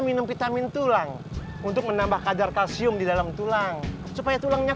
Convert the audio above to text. minum vitamin tulang untuk menambah kadar kalsium di dalam tulang supaya tulangnya